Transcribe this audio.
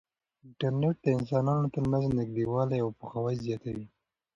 انټرنیټ د انسانانو ترمنځ نږدېوالی او پوهاوی زیاتوي.